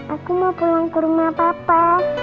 aku mau pulang ke rumah papa